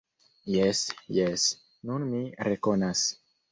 Jes, jes, nun mi rekonas.